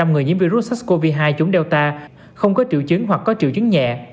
bảy mươi tám mươi người nhiễm virus sars cov hai chống delta không có triệu chứng hoặc có triệu chứng nhẹ